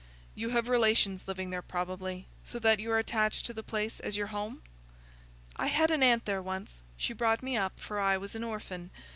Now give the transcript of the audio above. "You have relations living there, probably, so that you are attached to the place as your home?" "I had an aunt there once; she brought me up, for I was an orphan.